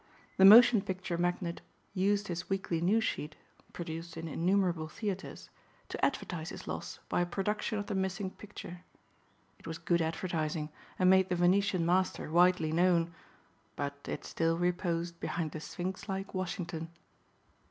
The motion picture magnate used his weekly news sheet (produced in innumerable theatres) to advertise his loss by a production of the missing picture. It was good advertising and made the Venetian master widely known. But it still reposed behind the sphinx like Washington.